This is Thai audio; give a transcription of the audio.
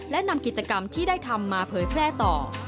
และนำกิจกรรมที่ได้ทำมาเผยแพร่ต่อ